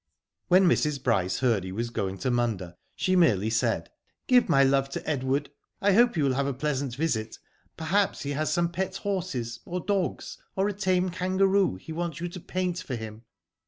When Mrs. Bryce heard he was going to Munda, she merely said, " Give my love to Edward. I hope you will have a pleasant visit. Perhaps he has some pet horses or dogs or a tame kangaroo he wants you to paint for him.